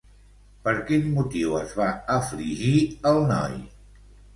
Per quin motiu es va afligir, el noi?